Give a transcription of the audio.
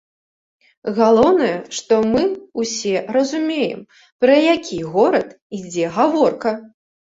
Галоўнае, што мы ўсе разумеем, пра які горад ідзе гаворка.